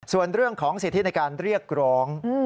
ส่วนเรื่องของสิทธิในการเรียกร้อง